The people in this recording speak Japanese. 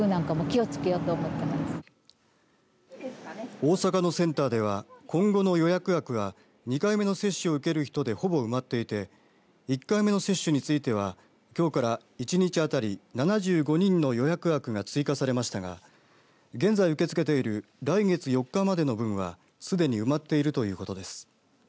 大阪のセンターでは今後の予約枠は２回目の接種を受ける人でほぼ埋まっていて１回目の接種についてはきょうから１日あたり７５人の予約枠が追加されましたが現在、受け付けている来月４日までの分はすでに埋まっているということです。